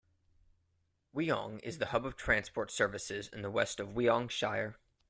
Wyong is the hub of transport services in the west of Wyong Shire.